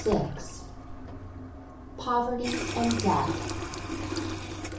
POVERTY AND DEATH.